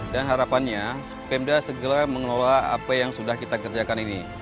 dan harapannya pemda segera mengelola apa yang sudah kita kerjakan ini